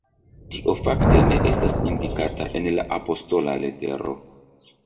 Tio fakte ne estas indikata en la apostola letero”.